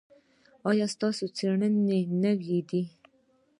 ایا ستاسو څیړنې نوې دي؟